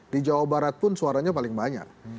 di jawa barat pun suaranya paling banyak